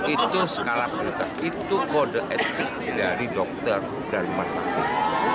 itu skala prioritas itu kode etik dari dokter dan rumah sakit